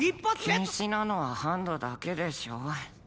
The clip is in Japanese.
禁止なのはハンドだけでしょ？